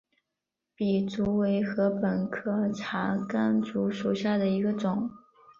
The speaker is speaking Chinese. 笔竹为禾本科茶秆竹属下的一个种。